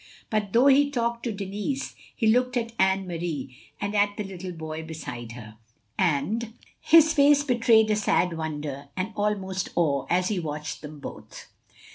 But though he talked to Denis, he looked at Anne Marie and at the little boy beside her; and 383 THE LONELY LADY his face betrayed a sad wonder, and almost awe, as he watched them both.